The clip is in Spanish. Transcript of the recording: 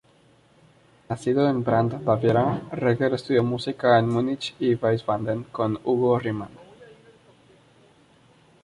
Nacido en Brand, Baviera, Reger estudió música en Múnich y Wiesbaden con Hugo Riemann.